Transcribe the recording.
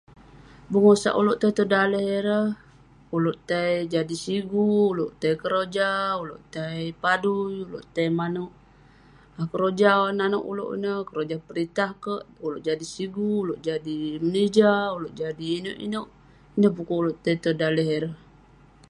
Bengosak ulouk tai tong daleh ireh, ulouk tai jadi sigu, ulouk tai keroja, ulouk tai padui, ulouk tai manouk keroja nanouk ulouk ineh. Keroja peritah kek, ulouk jadi sigu, ulouk jadi menija, ulouk jadi inouk inouk. Ineh pukuk ulouk tai tong daleh ireh.